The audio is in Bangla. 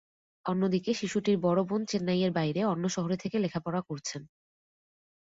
অন্যদিকে শিশুটির বড় বোন চেন্নাইয়ের বাইরে অন্য শহরে থেকে লেখাপড়া করছেন।